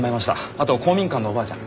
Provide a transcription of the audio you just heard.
あと公民館のおばあちゃん。